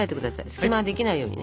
隙間ができないようにね。